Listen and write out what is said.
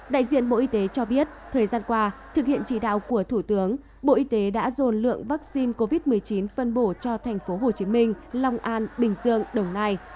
đại diện bộ y tế cho biết thời gian qua thực hiện chỉ đạo của thủ tướng bộ y tế đã dồn lượng vaccine covid một mươi chín phân bổ cho thành phố hồ chí minh long an bình dương đồng nai